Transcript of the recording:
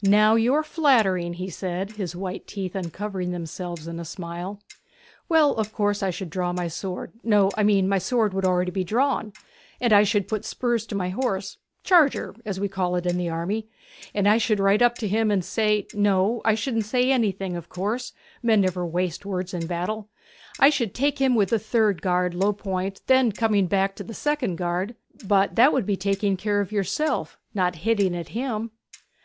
'Now you are flattering!' he said, his white teeth uncovering themselves in a smile. 'Well, of course I should draw my sword no, I mean my sword would be already drawn; and I should put spurs to my horse charger, as we call it in the army; and I should ride up to him and say no, I shouldn't say anything, of course men never waste words in battle; I should take him with the third guard, low point, and then coming back to the second guard ' 'But that would be taking care of yourself not hitting at him.'